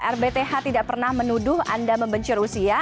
rbth tidak pernah menuduh anda membenci rusia